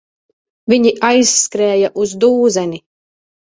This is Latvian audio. Viņi aizskrēja uz dūzeni.